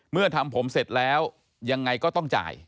ทำผมเสร็จแล้วยังไงก็ต้องจ่าย